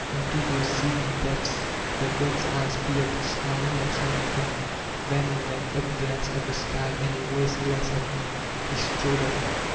Into those seething depths, the god's eyes peered, smiling and triumphing; then with an up glance at the sky and a waste glance at me, he strode off.